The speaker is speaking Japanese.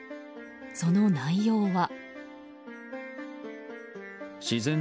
その内容は。